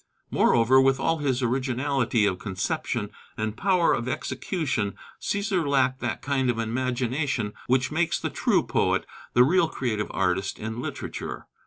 Moreover, with all his originality of conception and power of execution, Cæsar lacked that kind of imagination which makes the true poet, the real creative artist in literature.